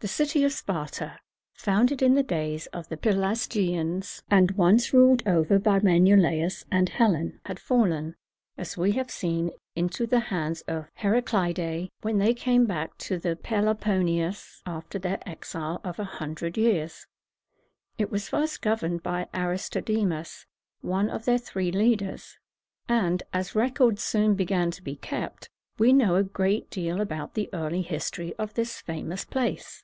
The city of Sparta, founded in the days of the Pelasgians, and once ruled over by Menelaus and Helen, had fallen, as we have seen, into the hands of the Heraclidæ when they came back to the Peloponnesus after their exile of a hundred years. It was first governed by A ris to de´mus, one of their three leaders; and, as records soon began to be kept, we know a great deal about the early history of this famous place.